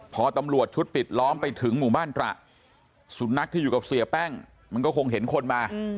พอตำรวจชุดปิดล้อมไปถึงหมู่บ้านตระสุนัขที่อยู่กับเสียแป้งมันก็คงเห็นคนมา